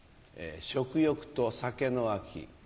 食欲と酒の秋。